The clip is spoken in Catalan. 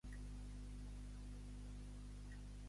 Loftus va créixer a Bel Air, California.